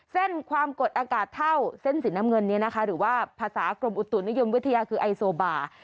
เส้นความกดอากาศเท่าเส้นสีน้ำเงินนี้นะคะหรือว่าภาษากรมอุตุนิยมวิทยาคือไอโซบา